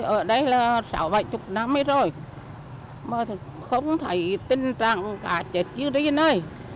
ở đây là sáu bảy chục năm rồi mà không thấy tình trạng cá chết như thế này